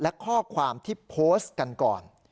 และข้อความที่โพสต์กันก่อน